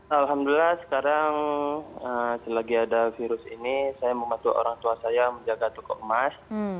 alhamdulillah sekarang selagi ada virus ini saya membantu orang tua saya menjaga toko emas